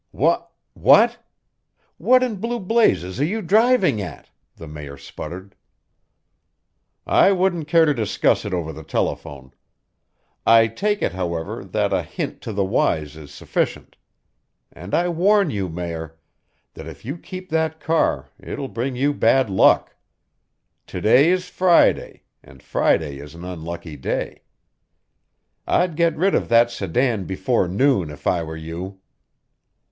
"Wha what what in blue blazes are you driving at?" the Mayor sputtered. "I wouldn't care to discuss it over the telephone. I take it, however, that a hint to the wise is sufficient; and I warn you, Mayor, that if you keep that car it will bring you bad luck. To day is Friday, and Friday is an unlucky day. I'd get rid of that sedan before noon if I were you."